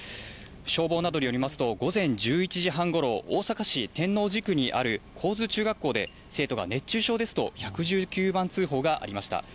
消防などによりますと、午前１１時半ごろ、大阪市天王寺区にある高津中学校で、生徒が熱中症ですと１１９番通報がありました。